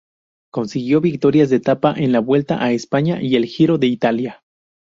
Consiguió victorias de etapa en la Vuelta a España y el Giro de Italia.